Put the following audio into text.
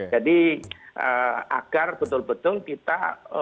jadi agar betul betul kita